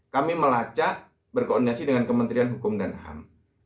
kami melacak berkoordinasi dengan kementerian hukum dan ham